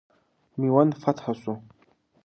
میوند فتح سو.